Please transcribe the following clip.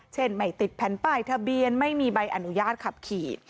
ไม่ติดแผ่นป้ายทะเบียนไม่มีใบอนุญาตขับขี่